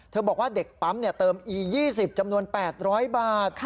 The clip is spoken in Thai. บอกว่าเด็กปั๊มเติมอี๒๐จำนวน๘๐๐บาท